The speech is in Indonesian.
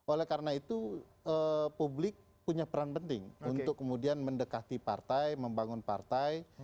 oleh karena itu publik punya peran penting untuk kemudian mendekati partai membangun partai